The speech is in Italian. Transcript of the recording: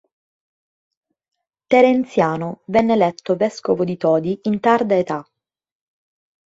Terenziano venne eletto vescovo di Todi in tarda età.